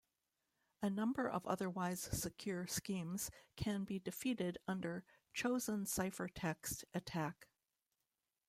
A number of otherwise secure schemes can be defeated under chosen-ciphertext attack.